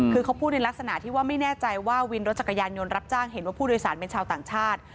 คือเขาพูดในลักษณะที่ว่าไม่แน่ใจว่าวินรถจักรยานยนต์รับจ้างเห็นว่าผู้โดยสารเป็นชาวต่างชาติ